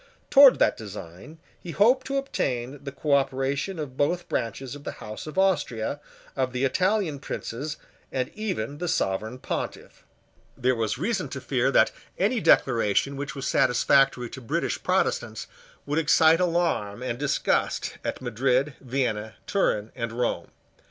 Towards that design he hoped to obtain the cooperation of both branches of the House of Austria, of the Italian princes, and even of the Sovereign Pontiff. There was reason to fear that any declaration which was satisfactory to British Protestants would excite alarm and disgust at Madrid, Vienna, Turin, and Rome.